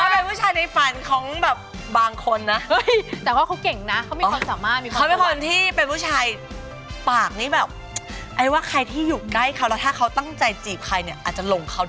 ทำไมคะทำไมดูเหมือนพี่กาวพี่อยากคุยกับเขาหรอคะ